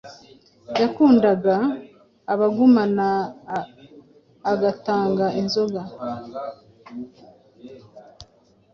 Yakundaga abagumana agatanga inzoga